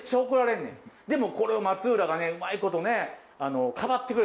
でもこれを松浦がうまいこと。